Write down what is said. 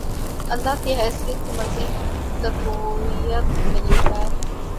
اللہ کی حیثیت کو مزید تقویت ملی ہے۔